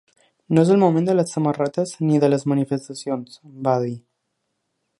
No és el moment de les samarretes ni de les manifestacions, va dir.